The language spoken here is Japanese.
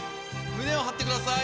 胸を張ってください！